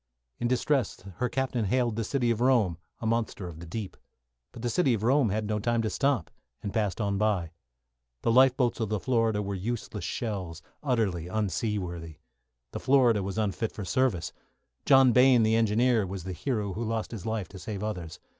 In distress, her captain hailed "The City of Rome," a monster of the deep. But "The City of Rome" had no time to stop, and passed on by. The lifeboats of the "Florida" were useless shells, utterly unseaworthy. The "Florida" was unfit for service. John Bayne, the engineer, was the hero who lost his life to save others.